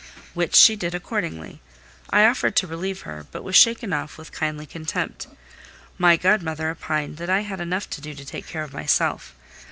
Which she did accordingly. I offered to relieve her, but was shaken off with kindly contempt: my godmother opined that I had enough to do to take care of myself.